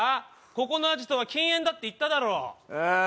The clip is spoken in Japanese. ここのアジトは禁煙だって言っただろうああ